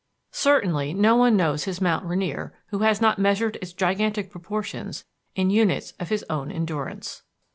Certainly no one knows his Mount Rainier who has not measured its gigantic proportions in units of his own endurance.